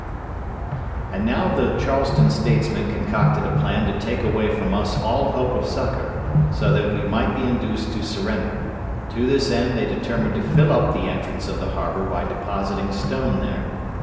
And now the Charleston statesmen concocted a plan to take away from us all hope of succor, so that we might be induced to surrender. To this end they determined to fill up the entrance of the harbor by depositing stone there.